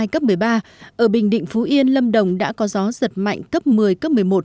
cấp một mươi hai cấp một mươi ba ở bình định phú yên lâm đồng đã có gió giật mạnh cấp một mươi cấp một mươi một